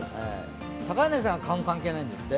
高柳さん、花粉関係ないんですって。